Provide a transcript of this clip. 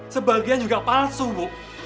sebagian juga palsu bok